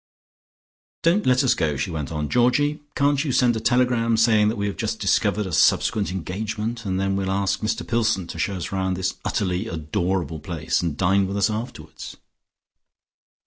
"Don't let us go," she went on. "Georgie, can't you send a telegram saying that we have just discovered a subsequent engagement and then we'll ask Mr Pillson to show us round this utterly adorable place, and dine with us afterwards.